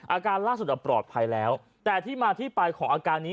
อาการล่าสุดปลอดภัยแล้วแต่ที่มาที่ไปของอาการนี้